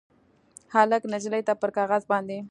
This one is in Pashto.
هلک نجلۍ ته پر کاغذ باندې